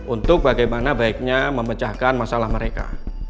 untuk bagaimana baiknya memecahkan masalah mereka